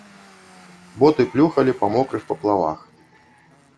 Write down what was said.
Боты плюхалі па мокрых паплавах.